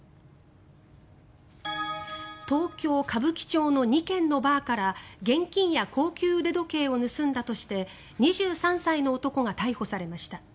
東京・歌舞伎町の２軒のバーから現金や高級腕時計を盗んだとして２３歳の男が逮捕されました。